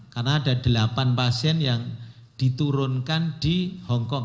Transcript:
karena ada delapan pasien yang diturunkan di hongkong